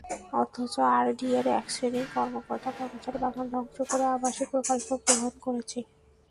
অথচ আরডিএর একশ্রেণীর কর্মকর্তা-কর্মচারী বাগান ধ্বংস করে আবাসিক প্রকল্প গ্রহণ করেছে।